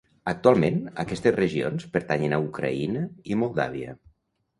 Actualment, aquestes regions pertanyen a Ucraïna i Moldàvia.